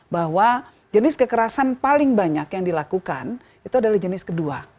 bahwa jenis kekerasan paling banyak yang dilakukan itu adalah jenis kedua